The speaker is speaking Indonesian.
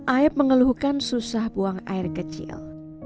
ayep mengeluhkan susah buang air kecil